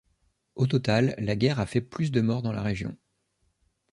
Au total, la guerre a fait plus de morts dans la région.